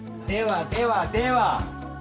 ではではでは。